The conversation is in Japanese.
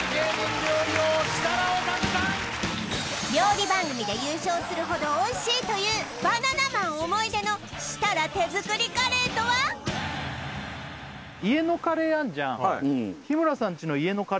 料理番組で優勝するほどおいしいというバナナマン思い出の設楽手作りカレーとは家のカレーあんじゃんえっ！